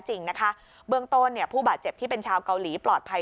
จริงนะคะเบื้องต้นเนี่ยผู้บาดเจ็บที่เป็นชาวเกาหลีปลอดภัย